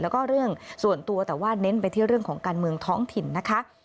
แล้วก็เรื่องส่วนตัวแต่ว่าเน้นไปที่เรื่องของการเมืองท้องถิ่นนะคะ